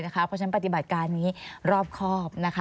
เพราะฉะนั้นปฏิบัติการนี้รอบครอบ